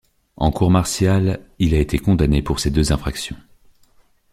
En cour martiale, il a été condamné pour ces deux infractions.